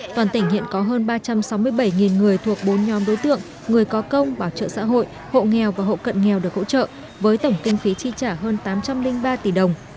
toàn tỉnh hiện có hơn ba trăm sáu mươi bảy người thuộc bốn nhóm đối tượng người có công bảo trợ xã hội hộ nghèo và hộ cận nghèo được hỗ trợ với tổng kinh phí chi trả hơn tám trăm linh ba tỷ đồng